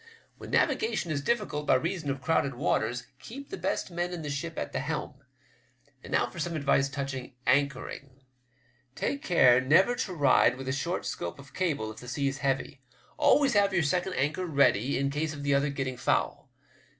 When navigation is diflScult by reason of crowded waters, keep the best men in the ship at the helm. And now for some advice touching anchoring. Take care never to ride with a short scope of cable if the sea's heavy. Always have your second anchor ready in case of the other getting foul.